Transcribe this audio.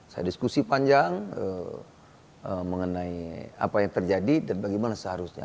saya diskusi panjang mengenai apa yang terjadi dan bagaimana seharusnya